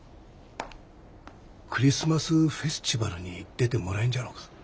クリスマスフェスチバルに出てもらえんじゃろうか？